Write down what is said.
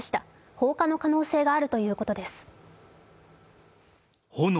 放火の可能性があるということです。